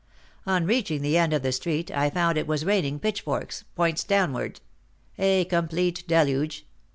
On reaching the end of the street I found it was raining pitchforks, points downward, a complete deluge.